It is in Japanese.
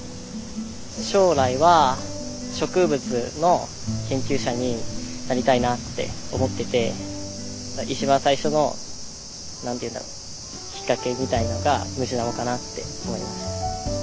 将来は植物の研究者になりたいなって思ってて一番最初の何て言うんだろうきっかけみたいのがムジナモかなって思います。